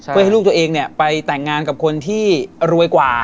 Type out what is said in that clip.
เพื่อให้ลูกตัวเองไปแต่งงานกับคนที่รวยกว่า